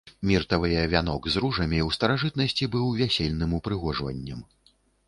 Міртавыя вянок з ружамі ў старажытнасці быў вясельным упрыгожваннем.